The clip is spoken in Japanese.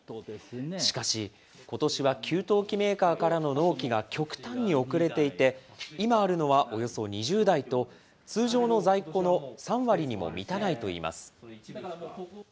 しかし、ことしは給湯器メーカーからの納期が極端に遅れていて、今あるのは、およそ２０台と、通常の在庫の３割にも満たないといいます。